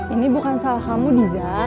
ini bukan salah kamu diza